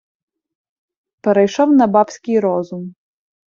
перейшов на бабский розум